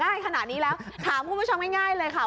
ได้ขนาดนี้แล้วถามคุณผู้ชมง่ายเลยค่ะ